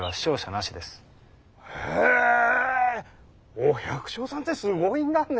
お百姓さんってすごいんだね！